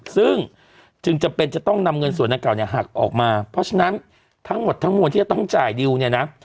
ซึ่งจึงจำเป็นจะต้องนำเงินส่วนดังกล่าวเนี่ยหักออกมาเพราะฉะนั้นทั้งหมดทั้งมวลที่จะต้องจ่ายดิวเนี่ยนะ